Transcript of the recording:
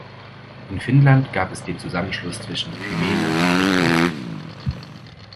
In Finnland gab es den Zusammenschluss zwischen Kymmene und Repola .